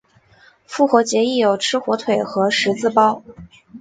复活节亦有吃火腿和十字包。